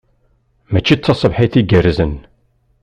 Mačči d taṣebḥit igerrzen?